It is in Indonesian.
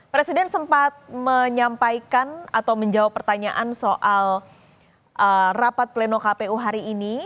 presiden sempat menyampaikan atau menjawab pertanyaan soal rapat pleno kpu hari ini